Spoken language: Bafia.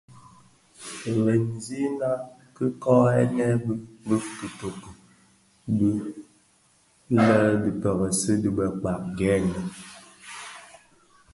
Jremzèna ki kōghènè bi bitoki bi lè dhi pèrèsi dhi dhikpag gèènë.